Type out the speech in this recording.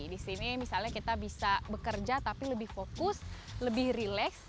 di sini misalnya kita bisa bekerja tapi lebih fokus lebih rileks